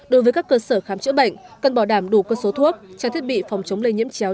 đối với các cơ sở khám chữa bệnh cần bảo đảm đủ cơ số thuốc trang thiết bị phòng chống lây nhiễm chéo